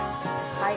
はい。